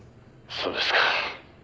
「そうですか」